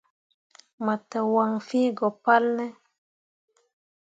Mo te waŋ fĩĩ go palne ?